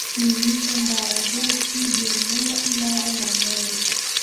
Simiyu Mbarageti Gurumeti Mara na Mori